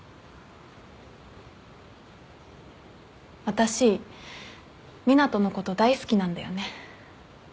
私湊斗のこと大好きなんだよね。